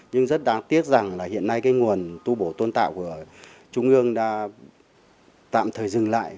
nhưng rất đáng tiếc rằng là hiện nay cái nguồn tu bổ tôn tạo của trung ương đã tạm thời dừng lại